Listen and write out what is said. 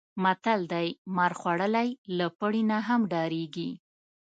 متل دی: مار خوړلی له پړي نه هم ډارېږي.